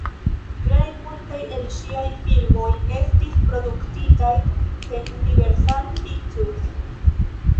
Plej multaj el ŝiaj filmoj estis produktitaj de Universal Pictures.